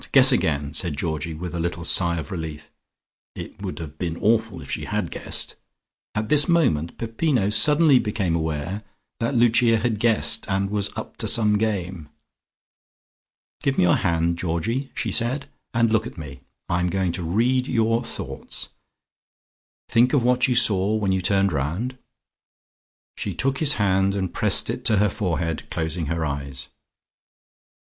Guess again," said Georgie, with a little sigh of relief. (It would have been awful if she had guessed.) At this moment Peppino suddenly became aware that Lucia had guessed and was up to some game. "Give me your hand, Georgie," she said, "and look at me. I'm going to read your thoughts. Think of what you saw when you turned round." She took his hand and pressed it to her forehead, closing her eyes.